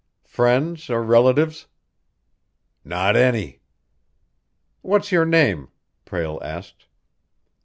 "Friends or relatives?" "Not any." "What's your name?" Prale asked.